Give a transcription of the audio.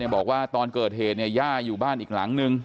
นี่บอกว่าตอนเกิดเหรียญเนี่ยหญ้าอยู่กันอีกหลังนึง